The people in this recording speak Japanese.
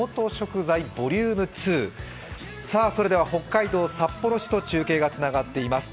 北海道札幌市と中継がつながっています。